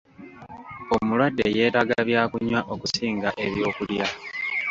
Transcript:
Omulwadde yeetaaga byakunywa okusinga ebyokulya.